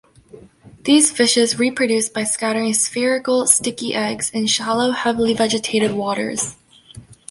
These fishes reproduce by scattering spherical, sticky eggs in shallow, heavily vegetated waters.